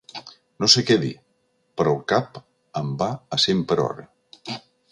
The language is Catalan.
No sé què dir, però el cap em va a cent per hora.